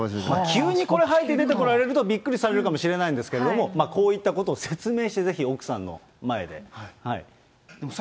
急にこれはいて出てこられるとびっくりされるかもしれないんですけれども、こういったことを説明して、ぜひ奥さんの前で。